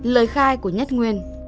hai lời khai của nhất nguyên